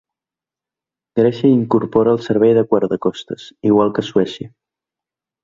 Grècia hi incorpora el servei de guardacostes, igual que Suècia.